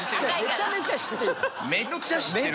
めちゃめちゃ知ってるそれ。